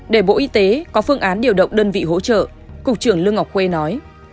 để bộ y tế có phương án điều động đơn vị hỗ trợ cục trưởng lương ngọc quê nói